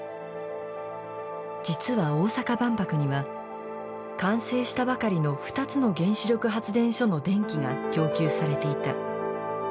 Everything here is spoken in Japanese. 実は大阪万博には完成したばかりの２つの原子力発電所の電気が供給されていた。